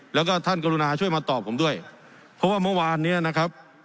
แล้วก็ท่านกรุณาช่วยมาตอบผมด้วยเพราะว่าเมื่อวานเนี้ยนะครับ